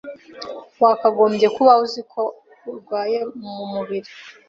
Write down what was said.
Wakagombye kuba uzi ko arwaye muburiri.